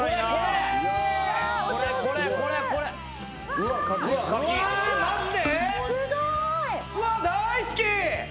うわっ大好き！